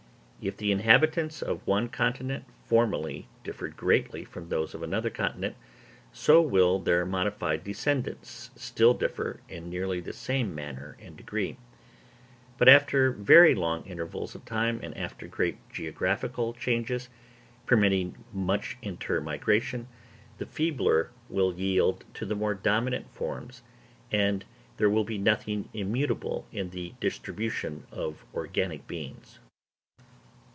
If the inhabitants of one continent formerly differed greatly from those of another continent, so will their modified descendants still differ in nearly the same manner and degree. But after very long intervals of time, and after great geographical changes, permitting much intermigration, the feebler will yield to the more dominant forms, and there will be nothing immutable in the distribution of organic beings.